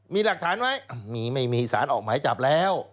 มีหลักฐานไหมมีไม่มีสารออกหมายจับแล้ว